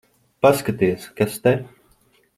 Paskaties, kas te...